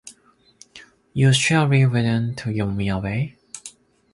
You surely wouldn't give me away?